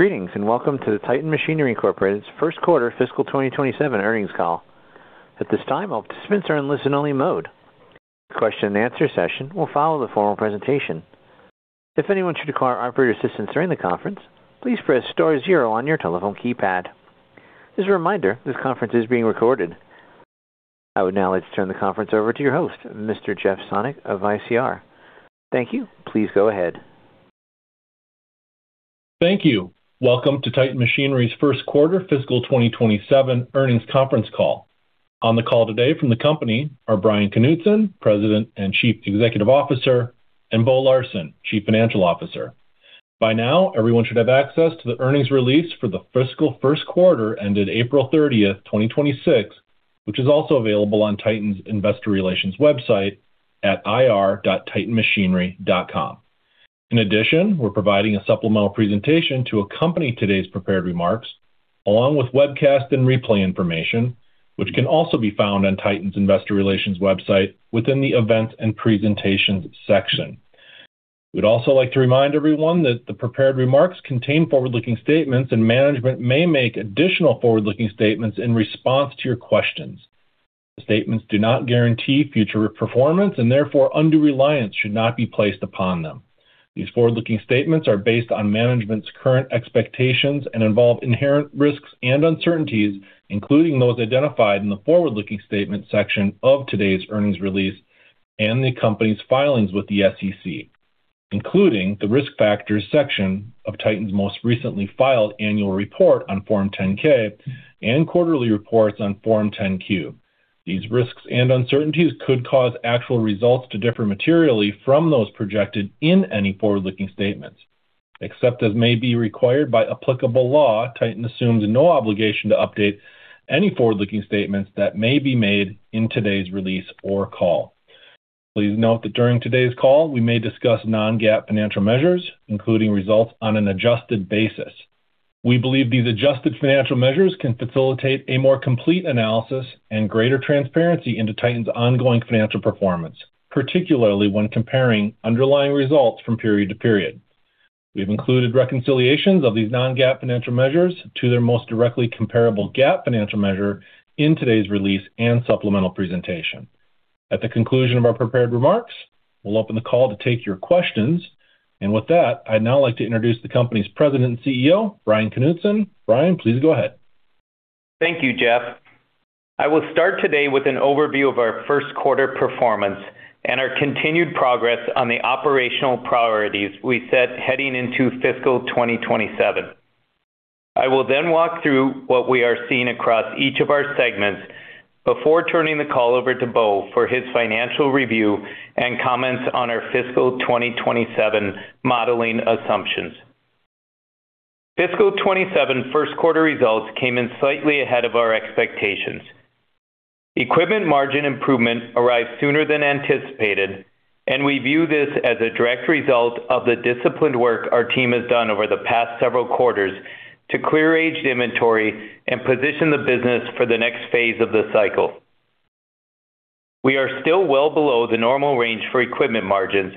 Greetings, and welcome to the Titan Machinery Inc's First Quarter Fiscal 2027 Earnings Call. At this time, all participants are in listen-only mode. The question and answer session will follow the formal presentation. If anyone should require operator assistance during the conference, please press star zero on your telephone keypad. As a reminder, this conference is being recorded. I would now like to turn the conference over to your host, Mr. Jeff Sonnek of ICR. Thank you. Please go ahead. Thank you. Welcome to Titan Machinery's First Quarter Fiscal 2027 Earnings Conference Call. On the call today from the company are Bryan Knutson, President and Chief Executive Officer, and Bo Larsen, Chief Financial Officer. By now, everyone should have access to the earnings release for the fiscal first quarter ended April 30th, 2026, which is also available on Titan's investor relations website at ir.titanmachinery.com. In addition, we're providing a supplemental presentation to accompany today's prepared remarks, along with webcast and replay information, which can also be found on Titan's investor relations website within the Events and Presentations section. We'd also like to remind everyone that the prepared remarks contain forward-looking statements, and management may make additional forward-looking statements in response to your questions. The statements do not guarantee future performance, and therefore, undue reliance should not be placed upon them. These forward-looking statements are based on management's current expectations and involve inherent risks and uncertainties, including those identified in the forward-looking statements section of today's earnings release and the company's filings with the SEC, including the Risk Factors section of Titan's most recently filed annual report on Form 10-K and quarterly reports on Form 10-Q. These risks and uncertainties could cause actual results to differ materially from those projected in any forward-looking statements. Except as may be required by applicable law, Titan assumes no obligation to update any forward-looking statements that may be made in today's release or call. Please note that during today's call, we may discuss non-GAAP financial measures, including results on an adjusted basis. We believe these adjusted financial measures can facilitate a more complete analysis and greater transparency into Titan's ongoing financial performance, particularly when comparing underlying results from period to period. We've included reconciliations of these non-GAAP financial measures to their most directly comparable GAAP financial measure in today's release and supplemental presentation. At the conclusion of our prepared remarks, we'll open the call to take your questions. With that, I'd now like to introduce the company's President and CEO, Bryan Knutson. Bryan, please go ahead. Thank you, Jeff. I will start today with an overview of our first quarter performance and our continued progress on the operational priorities we set heading into fiscal 2027. I will then walk through what we are seeing across each of our segments before turning the call over to Bo for his financial review and comments on our fiscal 2027 modeling assumptions. Fiscal 2027 first quarter results came in slightly ahead of our expectations. Equipment margin improvement arrived sooner than anticipated, and we view this as a direct result of the disciplined work our team has done over the past several quarters to clear aged inventory and position the business for the next phase of the cycle. We are still well below the normal range for equipment margins,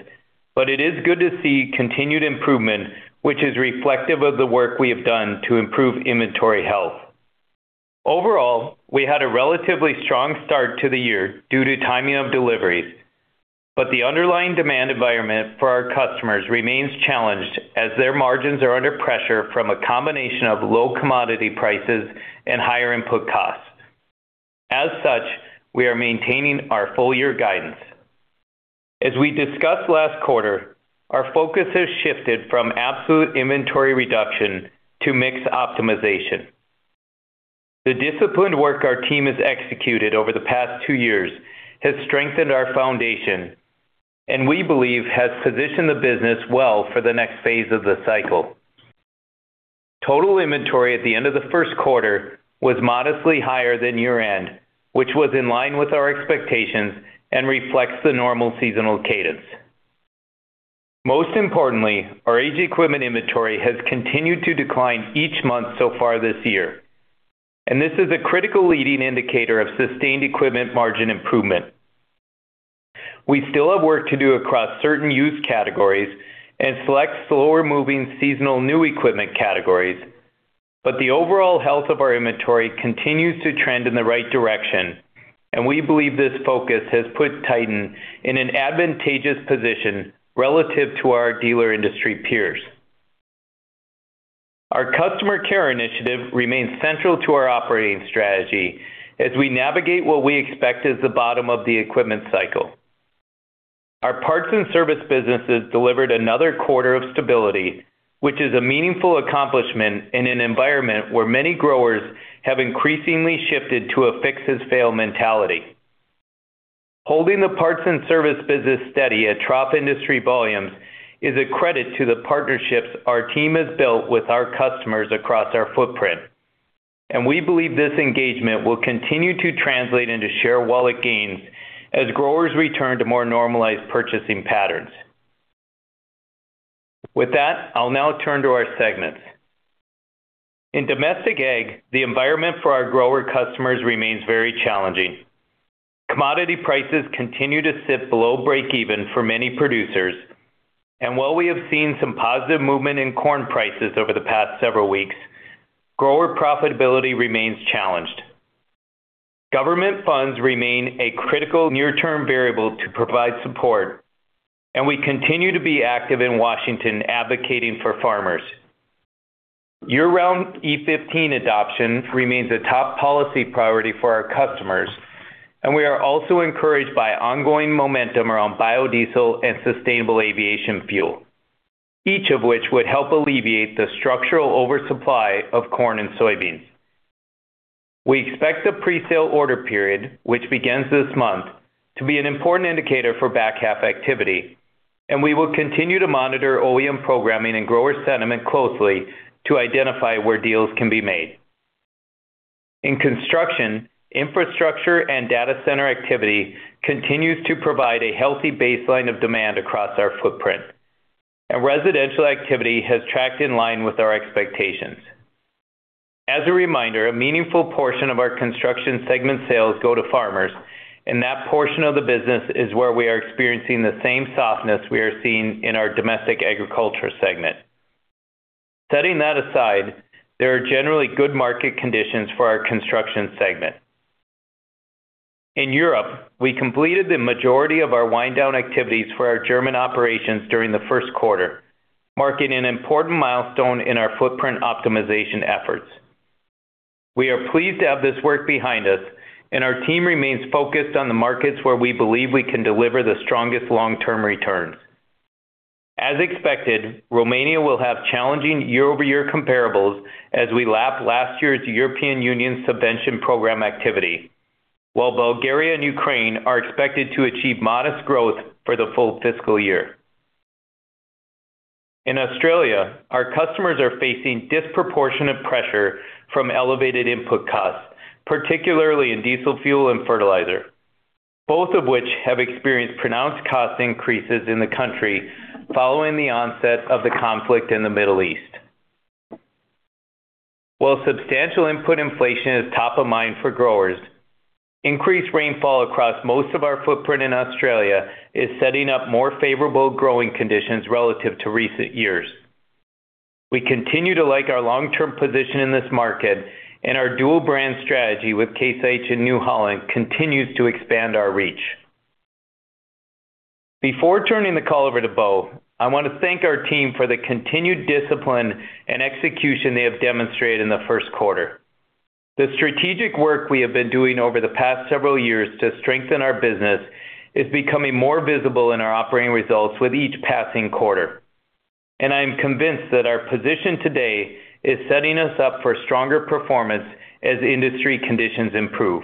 but it is good to see continued improvement, which is reflective of the work we have done to improve inventory health. Overall, we had a relatively strong start to the year due to timing of deliveries, but the underlying demand environment for our customers remains challenged as their margins are under pressure from a combination of low commodity prices and higher input costs. As such, we are maintaining our full year guidance. As we discussed last quarter, our focus has shifted from absolute inventory reduction to mix optimization. The disciplined work our team has executed over the past two years has strengthened our foundation and we believe has positioned the business well for the next phase of the cycle. Total inventory at the end of the first quarter was modestly higher than year-end, which was in line with our expectations and reflects the normal seasonal cadence. Most importantly, our aged equipment inventory has continued to decline each month so far this year. This is a critical leading indicator of sustained equipment margin improvement. We still have work to do across certain used categories and select slower-moving seasonal new equipment categories, but the overall health of our inventory continues to trend in the right direction. We believe this focus has put Titan in an advantageous position relative to our dealer industry peers. Our customer care initiative remains central to our operating strategy as we navigate what we expect is the bottom of the equipment cycle. Our parts and service businesses delivered another quarter of stability, which is a meaningful accomplishment in an environment where many growers have increasingly shifted to a fix-as-fail mentality. Holding the parts and service business steady at trough industry volumes is a credit to the partnerships our team has built with our customers across our footprint. We believe this engagement will continue to translate into share wallet gains as growers return to more normalized purchasing patterns. With that, I'll now turn to our segments. In domestic ag, the environment for our grower customers remains very challenging. Commodity prices continue to sit below break even for many producers, and while we have seen some positive movement in corn prices over the past several weeks, grower profitability remains challenged. Government funds remain a critical near-term variable to provide support. We continue to be active in Washington advocating for farmers. Year-round E15 adoption remains a top policy priority for our customers, and we are also encouraged by ongoing momentum around biodiesel and sustainable aviation fuel, each of which would help alleviate the structural oversupply of corn and soybeans. We expect the presale order period, which begins this month, to be an important indicator for back half activity, and we will continue to monitor OEM programming and grower sentiment closely to identify where deals can be made. In construction, infrastructure and data center activity continues to provide a healthy baseline of demand across our footprint, and residential activity has tracked in line with our expectations. As a reminder, a meaningful portion of our construction segment sales go to farmers, and that portion of the business is where we are experiencing the same softness we are seeing in our domestic agriculture segment. Setting that aside, there are generally good market conditions for our construction segment. In Europe, we completed the majority of our wind-down activities for our German operations during the first quarter, marking an important milestone in our footprint optimization efforts. We are pleased to have this work behind us, and our team remains focused on the markets where we believe we can deliver the strongest long-term returns. As expected, Romania will have challenging year-over-year comparables as we lap last year's European Union subvention program activity, while Bulgaria and Ukraine are expected to achieve modest growth for the full fiscal year. In Australia, our customers are facing disproportionate pressure from elevated input costs, particularly in diesel fuel and fertilizer, both of which have experienced pronounced cost increases in the country following the onset of the conflict in the Middle East. While substantial input inflation is top of mind for growers, increased rainfall across most of our footprint in Australia is setting up more favorable growing conditions relative to recent years. We continue to like our long-term position in this market, and our dual brand strategy with Case IH and New Holland continues to expand our reach. Before turning the call over to Bo, I want to thank our team for the continued discipline and execution they have demonstrated in the first quarter. The strategic work we have been doing over the past several years to strengthen our business is becoming more visible in our operating results with each passing quarter. I am convinced that our position today is setting us up for stronger performance as industry conditions improve.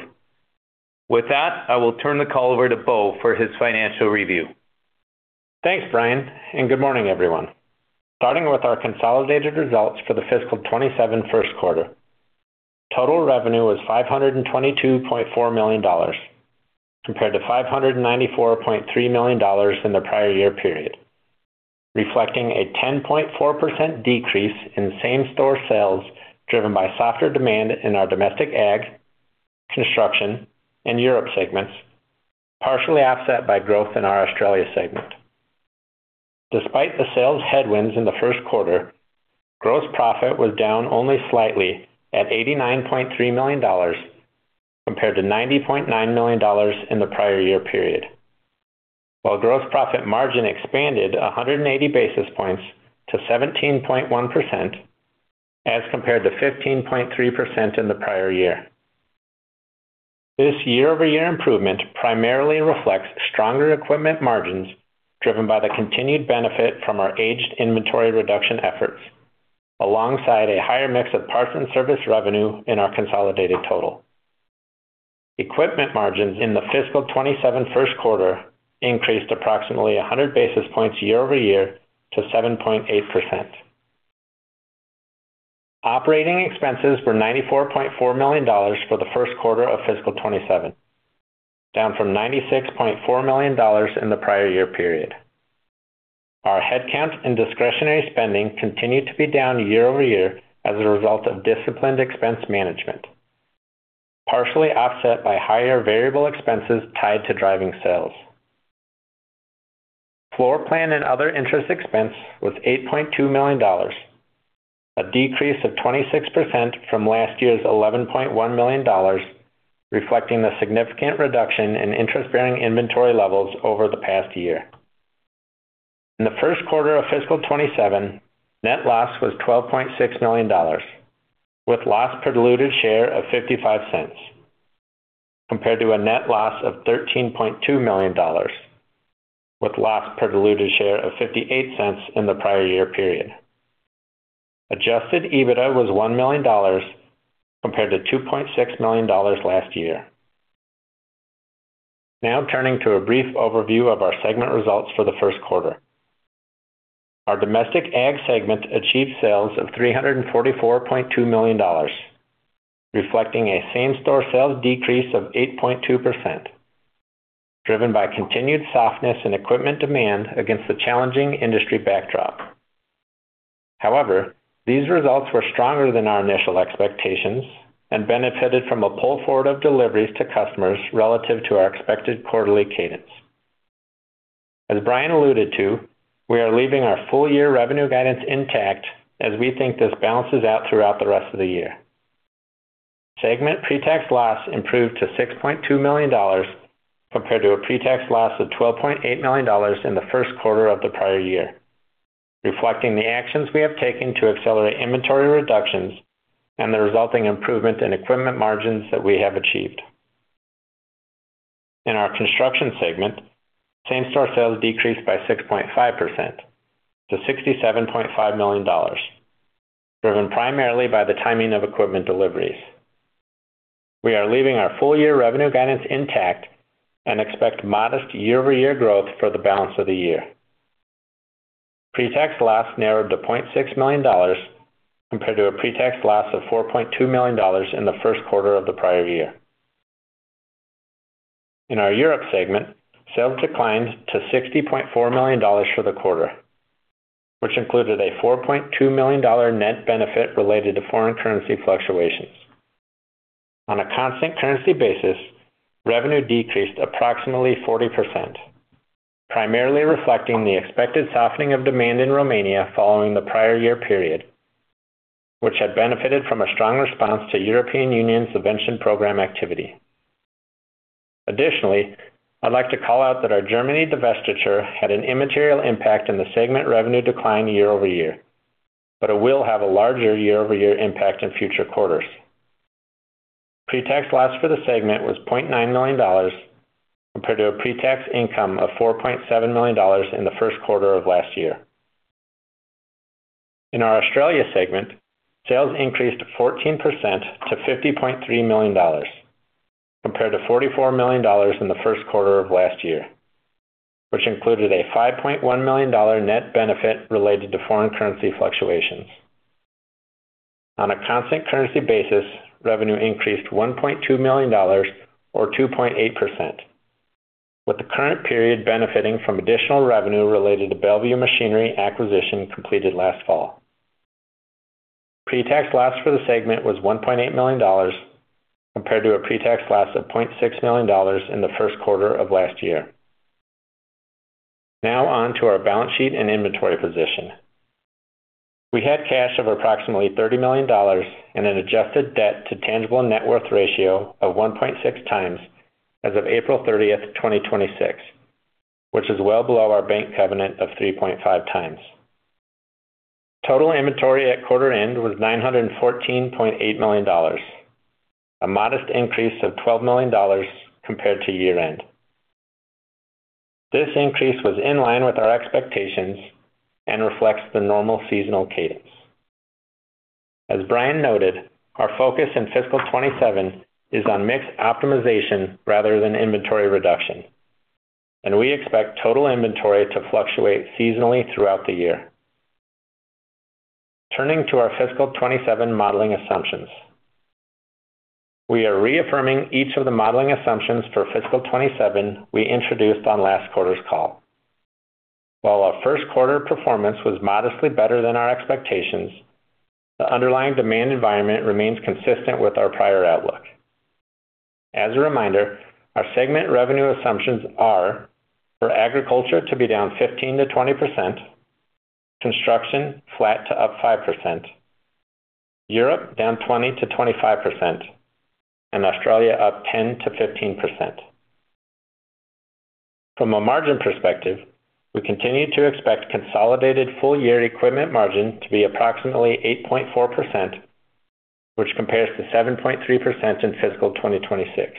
With that, I will turn the call over to Bo for his financial review. Thanks, Bryan, and good morning, everyone. Starting with our consolidated results for the fiscal 2027 first quarter. Total revenue was $522.4 million compared to $594.3 million in the prior year period, reflecting a 10.4% decrease in same-store sales driven by softer demand in our domestic ag, Construction, and Europe segments, partially offset by growth in our Australia segment. Despite the sales headwinds in the first quarter, gross profit was down only slightly at $89.3 million compared to $90.9 million in the prior year period. While gross profit margin expanded 180 basis points to 17.1% as compared to 15.3% in the prior year. This year-over-year improvement primarily reflects stronger equipment margins driven by the continued benefit from our aged inventory reduction efforts, alongside a higher mix of parts and service revenue in our consolidated total. Equipment margins in the fiscal 2027 first quarter increased approximately 100 basis points year-over-year to 7.8%. Operating expenses were $94.4 million for the first quarter of fiscal 2027, down from $96.4 million in the prior year period. Our headcount and discretionary spending continued to be down year-over-year as a result of disciplined expense management, partially offset by higher variable expenses tied to driving sales. Floor plan and other interest expense was $8.2 million, a decrease of 26% from last year's $11.1 million, reflecting the significant reduction in interest-bearing inventory levels over the past year. In the first quarter of fiscal 2027, net loss was $12.6 million with loss per diluted share of $0.55 compared to a net loss of $13.2 million with loss per diluted share of $0.58 in the prior year period. Adjusted EBITDA was $1 million compared to $2.6 million last year. Now, turning to a brief overview of our segment results for the first quarter. Our domestic Ag segment achieved sales of $344.2 million, reflecting a same-store sales decrease of 8.2%, driven by continued softness in equipment demand against the challenging industry backdrop. These results were stronger than our initial expectations and benefited from a pull forward of deliveries to customers relative to our expected quarterly cadence. As Bryan alluded to, we are leaving our full-year revenue guidance intact as we think this balances out throughout the rest of the year. Segment pre-tax loss improved to $6.2 million compared to a pre-tax loss of $12.8 million in the first quarter of the prior year, reflecting the actions we have taken to accelerate inventory reductions and the resulting improvement in equipment margins that we have achieved. In our Construction segment, same-store sales decreased by 6.5% to $67.5 million, driven primarily by the timing of equipment deliveries. We are leaving our full-year revenue guidance intact and expect modest year-over-year growth for the balance of the year. Pre-tax loss narrowed to $0.6 million compared to a pre-tax loss of $4.2 million in the first quarter of the prior year. In our Europe segment, sales declined to $60.4 million for the quarter, which included a $4.2 million net benefit related to foreign currency fluctuations. On a constant currency basis, revenue decreased approximately 40%, primarily reflecting the expected softening of demand in Romania following the prior year period, which had benefited from a strong response to European Union subvention program activity. I'd like to call out that our Germany divestiture had an immaterial impact in the segment revenue decline year-over-year, but it will have a larger year-over-year impact in future quarters. Pre-tax loss for the segment was $0.9 million compared to a pre-tax income of $4.7 million in the first quarter of last year. In our Australia segment, sales increased 14% to $50.3 million compared to $44 million in the first quarter of last year, which included a $5.1 million net benefit related to foreign currency fluctuations. On a constant currency basis, revenue increased $1.2 million, or 2.8%, with the current period benefiting from additional revenue related to Belle-Vue Machinery acquisition completed last fall. Pre-tax loss for the segment was $1.8 million compared to a pre-tax loss of $0.6 million in the first quarter of last year. On to our balance sheet and inventory position. We had cash of approximately $30 million and an Adjusted Debt to Tangible Net Worth Ratio of 1.6 times as of April 30th, 2026, which is well below our bank covenant of 3.5 times. Total inventory at quarter end was $914.8 million, a modest increase of $12 million compared to year end. This increase was in line with our expectations and reflects the normal seasonal cadence. As Bryan noted, our focus in fiscal 2027 is on mix optimization rather than inventory reduction. We expect total inventory to fluctuate seasonally throughout the year. Turning to our fiscal 2027 modeling assumptions. We are reaffirming each of the modeling assumptions for fiscal 2027 we introduced on last quarter's call. While our first quarter performance was modestly better than our expectations, the underlying demand environment remains consistent with our prior outlook. As a reminder, our segment revenue assumptions are for agriculture to be down 15%-20%, construction flat to up 5%, Europe down 20%-25%, and Australia up 10%-15%. From a margin perspective, we continue to expect consolidated full-year equipment margin to be approximately 8.4%, which compares to 7.3% in fiscal 2026.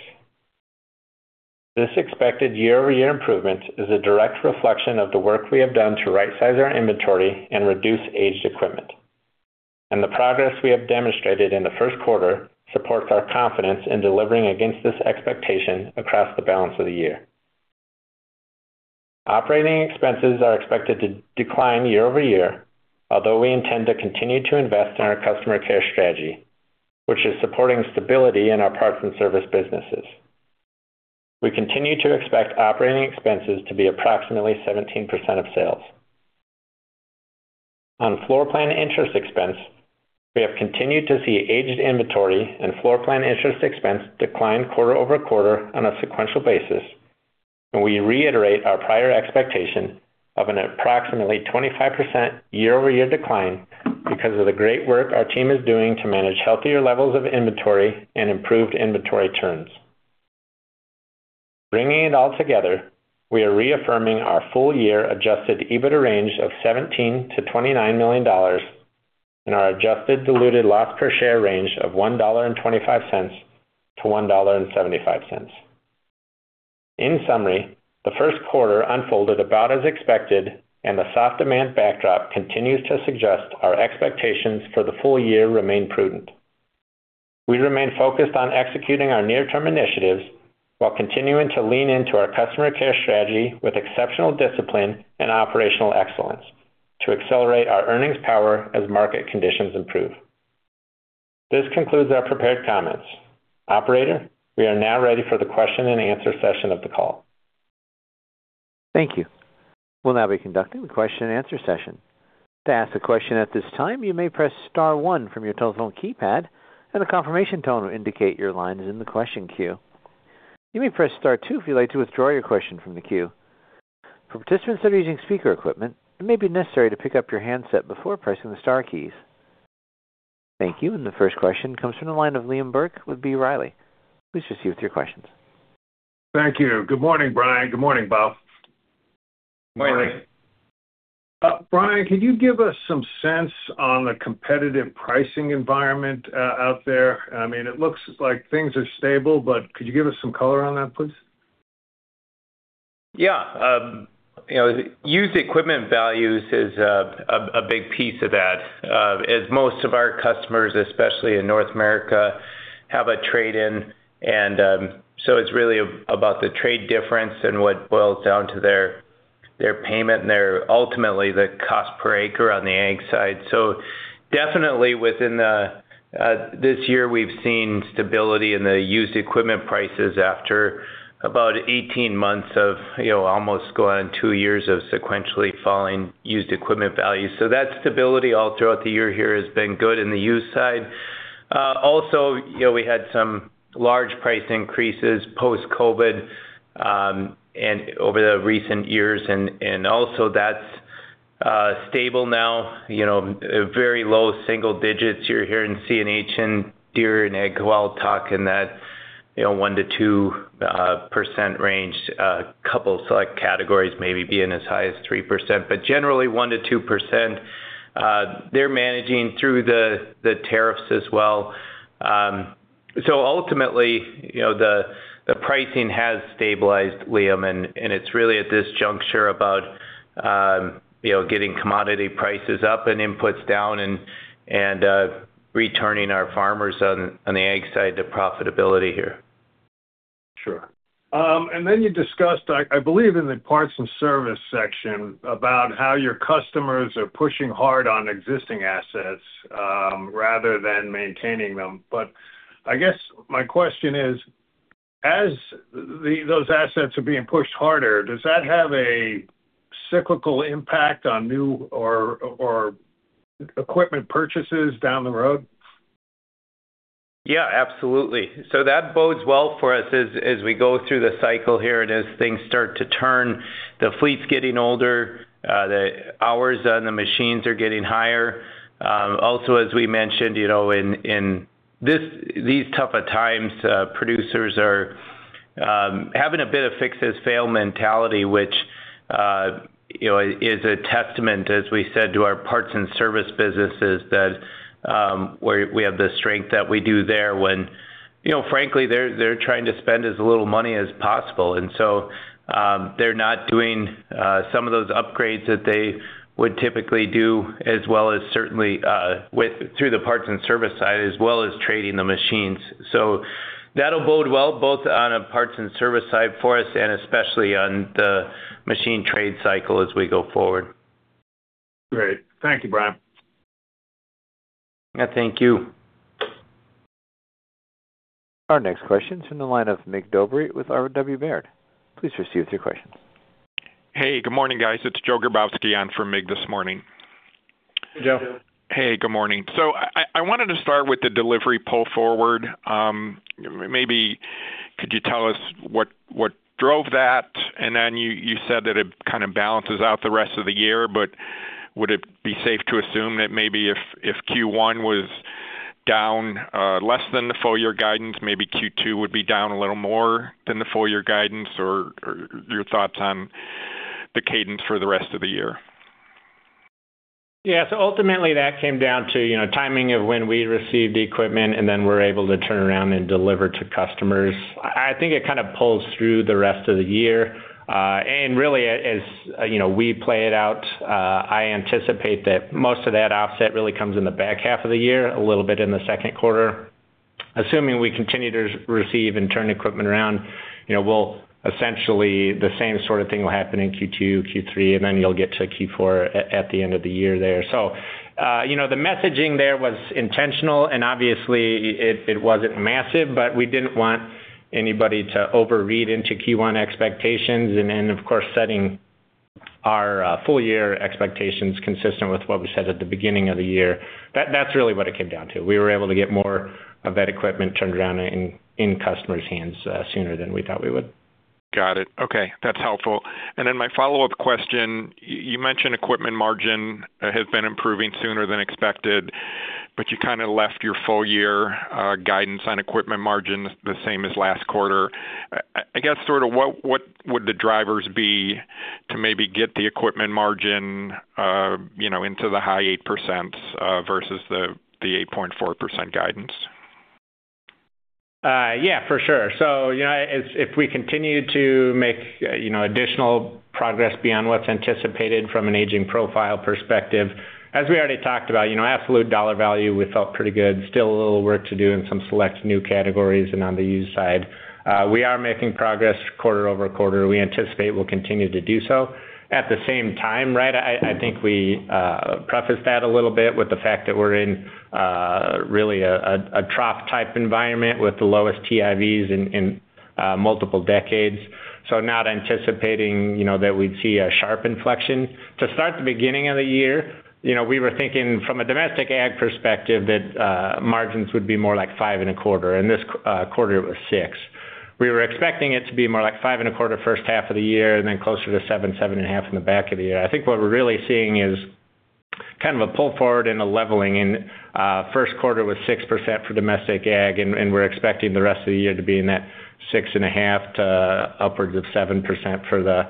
This expected year-over-year improvement is a direct reflection of the work we have done to right-size our inventory and reduce aged equipment. The progress we have demonstrated in the first quarter supports our confidence in delivering against this expectation across the balance of the year. Operating expenses are expected to decline year-over-year, although we intend to continue to invest in our customer care strategy, which is supporting stability in our parts and service businesses. We continue to expect operating expenses to be approximately 17% of sales. On floor plan interest expense, we have continued to see aged inventory and floorplan interest expense decline quarter-over-quarter on a sequential basis. We reiterate our prior expectation of an approximately 25% year-over-year decline because of the great work our team is doing to manage healthier levels of inventory and improved inventory turns. Bringing it all together, we are reaffirming our full-year Adjusted EBITDA range of $17 million-$29 million and our adjusted diluted loss per share range of $1.25-$1.75. In summary, the first quarter unfolded about as expected. The soft demand backdrop continues to suggest our expectations for the full year remain prudent. We remain focused on executing our near-term initiatives while continuing to lean into our customer care strategy with exceptional discipline and operational excellence to accelerate our earnings power as market conditions improve. This concludes our prepared comments. Operator, we are now ready for the question and answer session of the call. Thank you. We'll now be conducting the question and answer session. To ask a question at this time, you may press star one from your telephone keypad, and a confirmation tone will indicate your line is in the question queue. You may press star two if you'd like to withdraw your question from the queue. For participants that are using speaker equipment, it may be necessary to pick up your handset before pressing the star keys. Thank you. The first question comes from the line of Liam Burke with B. Riley. Please proceed with your questions. Thank you. Good morning, Bryan. Good morning, Bo. Morning. Bryan, could you give us some sense on the competitive pricing environment out there? It looks like things are stable, but could you give us some color on that, please? Yeah. Used equipment values is a big piece of that. As most of our customers, especially in North America, have a trade-in. It's really about the trade difference and what boils down to their payment and ultimately the cost per acre on the ag side. Definitely this year we've seen stability in the used equipment prices after about 18 months of almost going two years of sequentially falling used equipment values. That stability all throughout the year here has been good in the used side. We had some large price increases post-COVID, and over the recent years, and also that's stable now. Very low single digits you're hearing CNH and Deere and AGCO talk in that 1%-2% range. A couple select categories maybe being as high as 3%, but generally 1%-2%. They're managing through the tariffs as well. Ultimately, the pricing has stabilized, Liam, it's really at this juncture about getting commodity prices up and inputs down and returning our farmers on the ag side to profitability here. Sure. You discussed, I believe in the parts and service section about how your customers are pushing hard on existing assets rather than maintaining them. I guess my question is, as those assets are being pushed harder, does that have a cyclical impact on new or equipment purchases down the road? Yeah, absolutely. That bodes well for us as we go through the cycle here and as things start to turn. The fleet's getting older, the hours on the machines are getting higher. Also, as we mentioned, in these tougher times, producers are having a bit of fix-as-fail mentality, which is a testament, as we said, to our parts and service businesses, that we have the strength that we do there when frankly, they're trying to spend as little money as possible. They're not doing some of those upgrades that they would typically do, as well as certainly through the parts and service side, as well as trading the machines. That will bode well both on a parts and service side for us and especially on the machine trade cycle as we go forward. Great. Thank you, Bryan. Yeah. Thank you. Our next question's from the line of Mig Dobre with RW Baird. Please proceed with your questions. Hey, good morning, guys. It's Joe Grabowski on for Mig this morning. Joe. Hey, good morning. I wanted to start with the delivery pull forward. Maybe could you tell us what drove that? You said that it kind of balances out the rest of the year, but would it be safe to assume that maybe if Q1 was down less than the full year guidance, maybe Q2 would be down a little more than the full year guidance? Your thoughts on the cadence for the rest of the year? Yeah. Ultimately that came down to timing of when we received the equipment and then we're able to turn around and deliver to customers. I think it kind of pulls through the rest of the year. Really as we play it out, I anticipate that most of that offset really comes in the back half of the year, a little bit in the second quarter. Assuming we continue to receive and turn equipment around, essentially the same sort of thing will happen in Q2, Q3, and then you'll get to Q4 at the end of the year there. The messaging there was intentional and obviously it wasn't massive, but we didn't want anybody to overread into Q1 expectations. Of course, setting our full year expectations consistent with what we said at the beginning of the year. That's really what it came down to. We were able to get more of that equipment turned around and in customers' hands sooner than we thought we would. Got it. Okay, that's helpful. My follow-up question. You mentioned equipment margin has been improving sooner than expected, but you kind of left your full year guidance on equipment margin the same as last quarter. I guess, sort of what would the drivers be to maybe get the equipment margin into the high 8% versus the 8.4% guidance? Yeah, for sure. If we continue to make additional progress beyond what's anticipated from an aging profile perspective, as we already talked about absolute dollar value, we felt pretty good. Still a little work to do in some select new categories and on the used side. We are making progress quarter-over-quarter. We anticipate we'll continue to do so. At the same time, I think we preface that a little bit with the fact that we're in really a trough type environment with the lowest TIVs in multiple decades. Not anticipating that we'd see a sharp inflection. To start the beginning of the year, we were thinking from a domestic ag perspective that margins would be more like five and a quarter. In this quarter, it was six. We were expecting it to be more like five and a quarter first half of the year, then closer to seven and a half in the back of the year. I think what we're really seeing is kind of a pull forward and a leveling in first quarter with 6% for domestic ag. We're expecting the rest of the year to be in that six and a half to upwards of 7% for the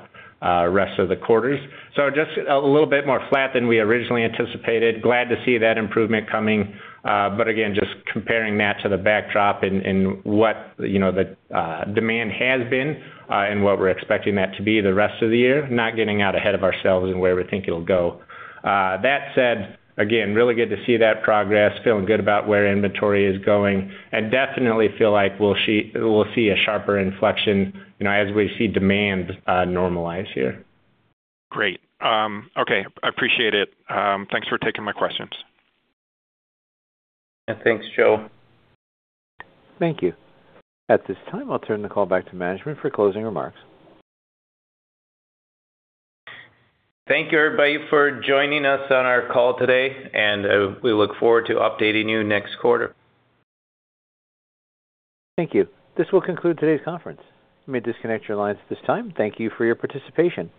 rest of the quarters. Just a little bit more flat than we originally anticipated. Glad to see that improvement coming. Again, just comparing that to the backdrop and what the demand has been and what we're expecting that to be the rest of the year, not getting out ahead of ourselves in where we think it'll go. That said, again, really good to see that progress, feeling good about where inventory is going. I definitely feel like we'll see a sharper inflection as we see demand normalize here. Great. Okay, I appreciate it. Thanks for taking my questions. Yeah. Thanks, Joe. Thank you. At this time, I'll turn the call back to management for closing remarks. Thank you everybody for joining us on our call today and we look forward to updating you next quarter. Thank you. This will conclude today's conference. You may disconnect your lines at this time. Thank you for your participation.